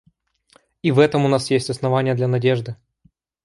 И в этом у нас есть основания для надежды.